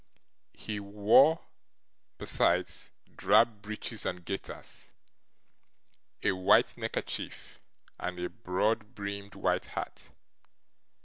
He wore, besides, drab breeches and gaiters, a white neckerchief, and a broad brimmed white hat.